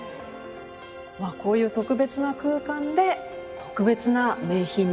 まあこういう特別な空間で特別な名品に出会う。